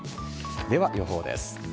では予報です。